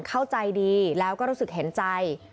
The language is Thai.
เข้าใจดีแล้วก็รู้สึกเห็นใจ